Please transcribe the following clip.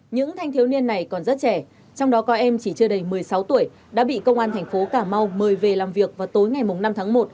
những thanh thiếu niên này còn rất trẻ trong đó có em chỉ chưa đầy một mươi sáu tuổi đã bị công an thành phố cà mau mời về làm việc vào tối ngày năm tháng một